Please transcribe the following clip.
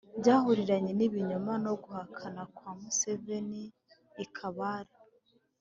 byahuriranye n’ibinyoma no guhakana kwa museveni i kabale